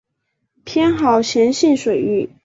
偏好咸性水域。